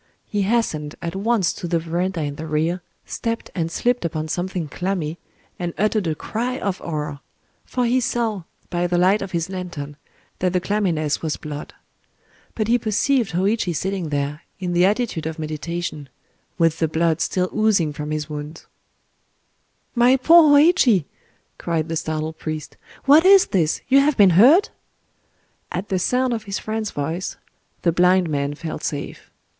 He hastened at once to the verandah in the rear, stepped and slipped upon something clammy, and uttered a cry of horror;—for he saw, by the light of his lantern, that the clamminess was blood. But he perceived Hōïchi sitting there, in the attitude of meditation—with the blood still oozing from his wounds. "My poor Hōïchi!" cried the startled priest,—"what is this?... You have been hurt?" At the sound of his friend's voice, the blind man felt safe.